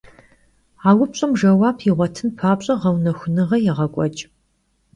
A vupş'em jjeuap yiğuetın papş'e, ğeunexunığe yêğek'ueç'.